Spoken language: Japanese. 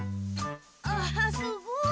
あすごい！